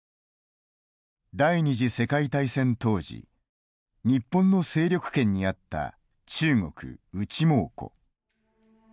第２次世界大戦当時日本の勢力圏にあった中国・内蒙古。